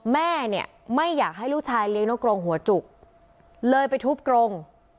แม่เนี่ยไม่อยากให้ลูกชายเลี้ยงนกกรงหัวจุกเลยไปทุบกรง